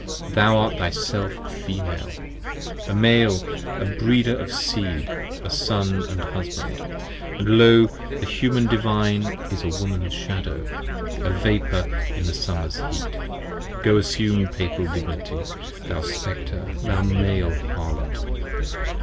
Thou art Thyself Female, a Male, a breeder of Seed, a Son & Husband: & Lo, The Human Divine is Woman's Shadow, a Vapor in the summer's heat. 15 Go assume Papal dignity, thou Spectre, thou Male Harlot!